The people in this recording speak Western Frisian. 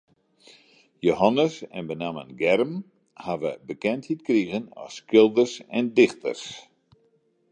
Jehannes en benammen Germ hawwe bekendheid krigen as skilders en dichters.